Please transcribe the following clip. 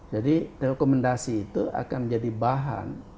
jadi rekomendasi itu akan menjadi bahan